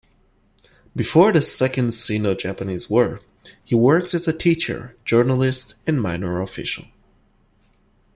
Before the Second Sino-Japanese War, he worked as a teacher, journalist and minor official.